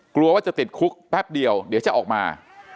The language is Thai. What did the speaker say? กลัวว่าจะติดคุกแป๊บเดียวเดี๋ยวจะออกมา